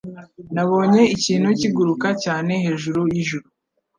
Nabonye ikintu kiguruka cyane hejuru yijuru